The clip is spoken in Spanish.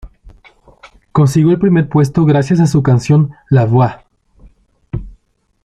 Consiguió el primer puesto gracias a su canción "La Voix".